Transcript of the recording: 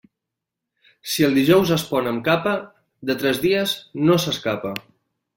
Si el dijous es pon amb capa, de tres dies no s'escapa.